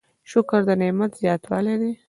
شکر د نعمت زیاتوالی دی؟